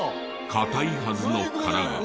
硬いはずの殻が。